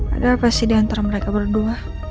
ada apa sih diantara mereka berdua